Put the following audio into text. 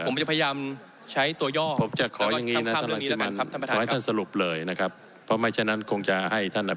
ผมจะพยายามใช้ตัวย่อการถามเรื่องนี้แล้วนะครับท่านประธาน